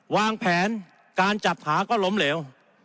วางแผนการจัดหาก็ล้มเหลว